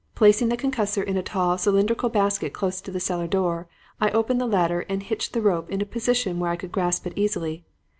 Placing the concussor in a tall cylindrical basket close to the cellar door, I opened the latter and hitched the rope in a position where I could grasp it easily.